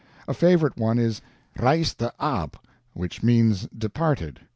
A favorite one is REISTE AB which means departed.